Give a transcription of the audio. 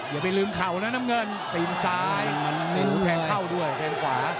อย่าไปลืมเข่านะน้ำเงินตีนซ้ายมันเน้นแทงเข้าด้วยแทงขวา